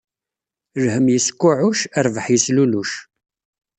Lhemm yeskuɛɛuc, rbaḥ yesluluc